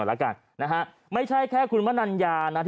อ้อคิ้วที่แท้จะไม่มีคนคิ้วแล้วนะ